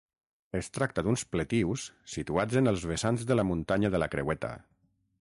Es tracta d'uns pletius situats en els vessants de la muntanya de la Creueta.